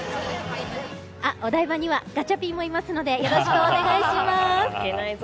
お台場にはガチャピンもいますのでよろしくお願いします！